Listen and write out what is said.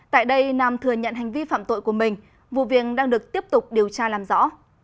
tại đây nam thừa nhận hành vi phạm tội của mình vụ viện đang được tiếp tục điều tra làm rõ